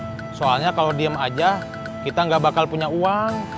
ya soalnya kalau diem aja kita nggak bakal punya uang